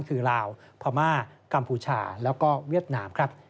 คือลาวพม่ากัมพูชาแล้วก็เวียดนามครับ